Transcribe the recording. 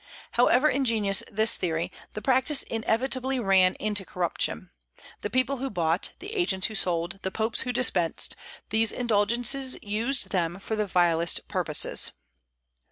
However ingenious this theory, the practice inevitably ran into corruption. The people who bought, the agents who sold, the popes who dispensed, these indulgences used them for the vilest purposes.